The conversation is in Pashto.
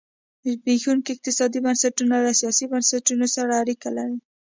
زبېښونکي اقتصادي بنسټونه له سیاسي بنسټونه سره اړیکه لري.